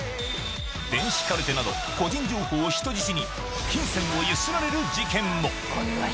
電子カルテなど、個人情報を人質に、金銭をゆすられる事件も。